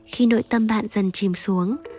khi nội tâm bạn dần chìm xuống